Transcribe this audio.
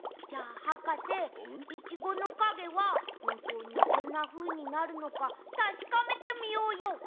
じゃあはかせいちごのかげはほんとうにこんなふうになるのかたしかめてみようよ！